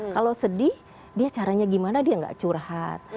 kalau sedih dia caranya gimana dia nggak curhat